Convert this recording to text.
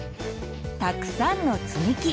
たくさんのつみき。